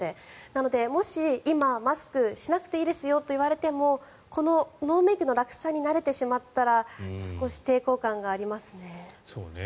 なので、もし今マスクをしなくていいですよと言われてもこのノーメイクの楽さに慣れてしまったら少し抵抗感がありますね。